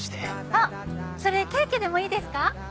あっそれケーキでもいいですか？